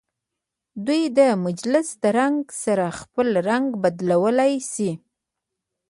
دوی د مجلس د رنګ سره خپل رنګ بدلولی شي.